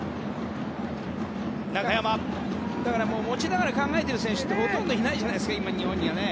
持ちながら考えている選手なんてほとんどいないじゃないですか日本には。